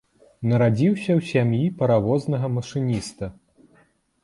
Нарадзіўся ў сям'і паравознага машыніста.